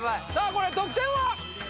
これ得点は？